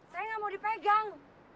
saya gak mau dipegang